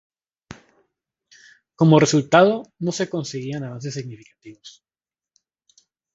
Como resultado, no se conseguían avances significativos.